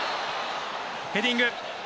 ヘディング